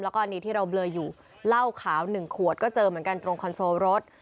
แล้วก็อันนี้ที่เราเบลออยู่เหล้าขาว๑ขวดก็เจอเหมือนกันตรงคอนโซลรถ